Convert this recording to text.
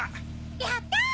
やった！